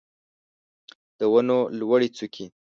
د ونو لوړې څوکې